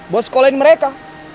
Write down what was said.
buat sekolahin mereka